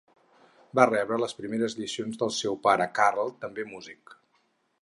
Va rebre les primeres lliçons del seu pare Karl també músic.